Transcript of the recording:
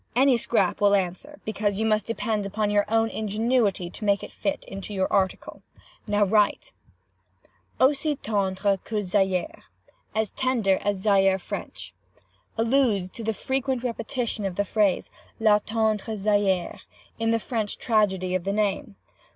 Any scrap will answer, because you must depend upon your own ingenuity to make it fit into your article. Now write! "'Aussi tendre que Zaire'—as tender as Zaire French. Alludes to the frequent repetition of the phrase, la tendre Zaire, in the French tragedy of that name.